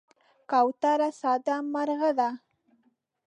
کوتره ساده مرغه ده.